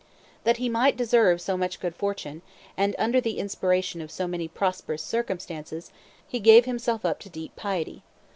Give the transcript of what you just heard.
That he might deserve so much good fortune, and under the inspiration of so many prosperous circumstances, he gave himself up to deep piety.